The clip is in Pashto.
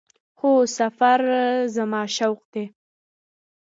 هو، سفر زما شوق دی